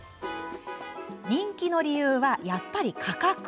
人気の理由はやっぱり価格。